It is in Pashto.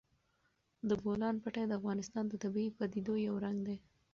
د بولان پټي د افغانستان د طبیعي پدیدو یو رنګ دی.